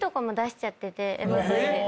ＭＶで。